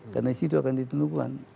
karena di situ akan ditentukan